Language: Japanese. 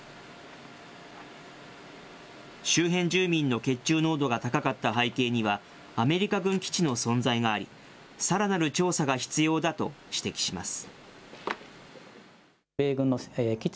周辺住民の血中濃度が高かった背景にはアメリカ軍基地の存在があり、さらなる調査が必要だと指摘します。